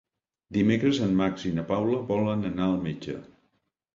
Dimecres en Max i na Paula volen anar al metge.